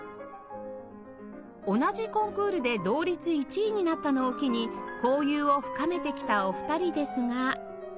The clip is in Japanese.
同じコンクールで同率１位になったのを機に交友を深めてきたお二人ですが